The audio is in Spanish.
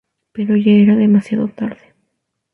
Pero ya era demasiado tarde.